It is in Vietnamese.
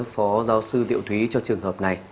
phó giáo sư diệu thúy cho trường hợp này